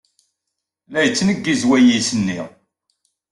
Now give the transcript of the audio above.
La yettneggiz wayis-nni.